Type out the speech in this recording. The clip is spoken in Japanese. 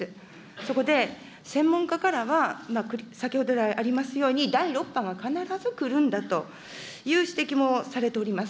そこで専門家からは、先ほど来ありますように、第６波が必ず来るんだという指摘もされております。